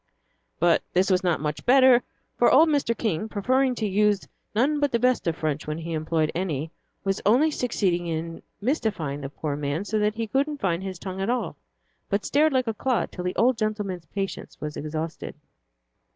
But this was not much better, for old Mr. King, preferring to use none but the best of French when he employed any, was only succeeding in mystifying the poor man so that he couldn't find his tongue at all, but stared like a clod till the old gentleman's patience was exhausted.